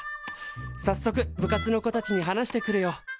さっそく部活の子たちに話してくるよ。